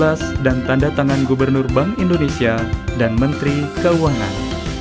tahun emisi dua ribu empat belas dan tanda tangan gubernur bank indonesia dan menteri keuangan